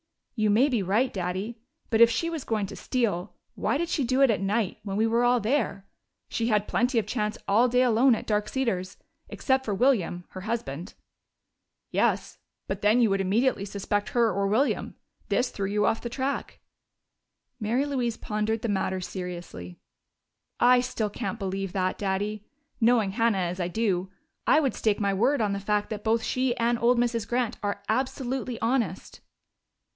"You may be right, Daddy. But if she was going to steal, why did she do it at night, when we were there? She had plenty of chance all day alone at Dark Cedars except for William, her husband." "Yes, but then you would immediately suspect her or William. This threw you off the track." Mary Louise pondered the matter seriously. "I still can't believe that, Daddy. Knowing Hannah as I do, I would stake my word on the fact that both she and old Mrs. Grant are absolutely honest."